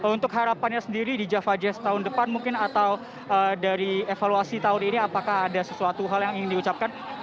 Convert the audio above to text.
untuk harapannya sendiri di java jazz tahun depan mungkin atau dari evaluasi tahun ini apakah ada sesuatu hal yang ingin diucapkan